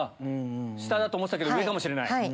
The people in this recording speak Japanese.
下だと思ってたけど上かもしれない。